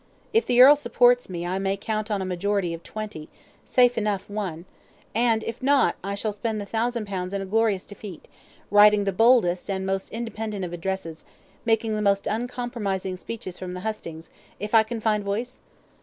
If the earl supports me I may count on a majority of twenty a safe enough one; and if not, shall I spend the thousand pounds in a glorious defeat; writing the boldest and most independent of addresses; making the most uncompromising speeches from the hustings, if I can find voice?"